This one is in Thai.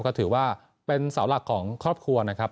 ก็ถือว่าเป็นเสาหลักของครอบครัวนะครับ